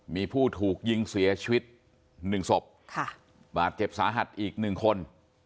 มีผู้ถูกยิงเสียชีวิตหนึ่งศพบาดเจ็บสาหัสอีกหนึ่งคน